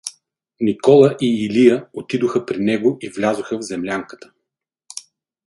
Никола и Илия отидоха при него и влязоха в землянката.